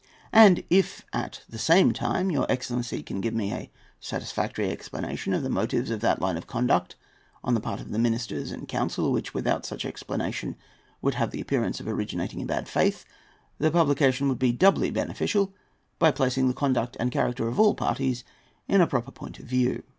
And if, at the same time, your excellency can give a satisfactory explanation of the motives of that line of conduct on the part of the ministers and council, which, without such explanation, would have the appearance of originating in bad faith, the publication would be doubly beneficial by placing the conduct and character of all parties in a proper point of view.